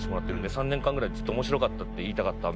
「３年間ぐらいずっと『面白かった』って言いたかった。